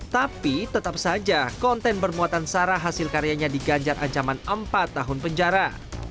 tapi tetap saja konten bermuatan sarah hasil karyanya diganjar ancaman empat tahun penjara